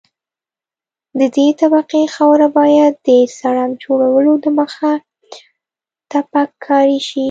د دې طبقې خاوره باید د سرک جوړولو دمخه تپک کاري شي